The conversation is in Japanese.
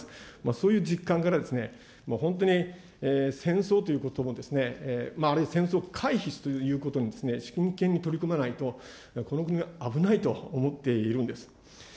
そういう実感から、本当に戦争ということも、ある意味、戦争回避ということに真剣に取り組まないとこの国は危ないと思っているんです。